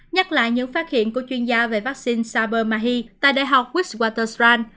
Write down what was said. nhắc lại những phát hiện của chuyên gia về vaccine sabermahy tại đại học witswaterstrand